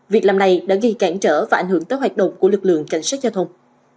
việc làm này đã gây cản trở và ảnh hưởng tới hoạt động của lực lượng cảnh sát giao thông